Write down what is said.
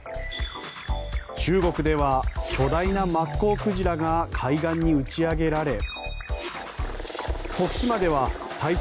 中国では巨大なマッコウクジラが海岸に打ち上げられ徳島では体長